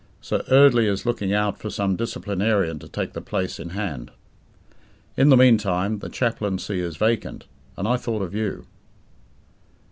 Sir Eardley is looking out for some disciplinarian to take the place in hand. "In the meantime, the chaplaincy is vacant, and I thought of you."